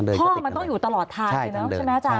ห้องมันต้องอยู่ตลอดทางใช่ไหมอาจารย์